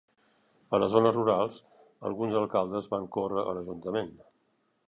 A les zones rurals, alguns alcaldes van córrer a l'Ajuntament.